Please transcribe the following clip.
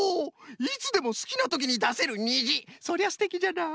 いつでもすきなときにだせるにじそれはすてきじゃな。